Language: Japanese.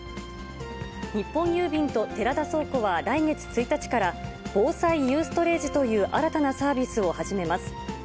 日本郵便と寺田倉庫は来月１日から、防災ゆうストレージという新たなサービスを始めます。